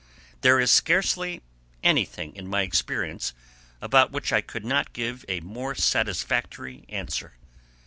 There is scarcely anything in my experience about which I could not give a more satisfactory answer.